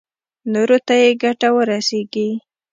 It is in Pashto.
نورو ته يې ګټه ورسېږي.